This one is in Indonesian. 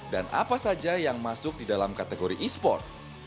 dan apa saja yang masuk di dalam kategori esports